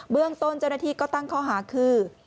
เรื่องต้นเจ้าหน้าที่ก็ตั้งข้อหาคือ